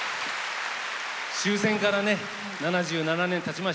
終戦からね７７年たちました。